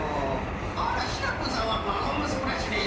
あらシナプーさんは輪ゴムスプラッシュね！